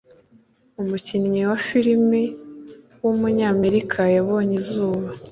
umukinnyi wa film w’umunyamerika yabonye izuba